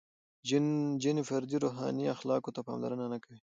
• جن فردي روحاني اخلاقو ته پاملرنه نهکوي.